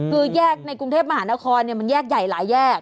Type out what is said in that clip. คือแยกในกรุงเทพมหานครมันแยกใหญ่หลายแยก